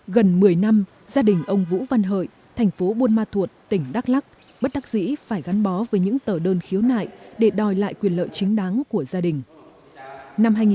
gần một mươi năm gia đình ông vũ văn hợi thành phố buôn ma thuột tỉnh đắk lắc bất đắc dĩ phải gắn bó với những tờ đơn khiếu nại để đòi lại quyền lợi chính đáng của gia đình